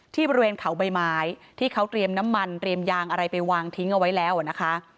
บริเวณเขาใบไม้ที่เขาเตรียมน้ำมันเตรียมยางอะไรไปวางทิ้งเอาไว้แล้วนะคะ